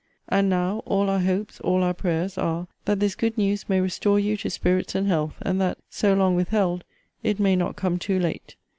And now, all our hopes, all our prayers, are, that this good news may restore you to spirits and health; and that (so long withheld) it may not come too late.